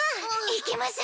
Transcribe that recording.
行きましょ！